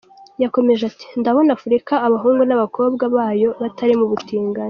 Yakomeje ati “Ndabona Afurika abahungu n’abakobwa bayo batari mu butinganyi.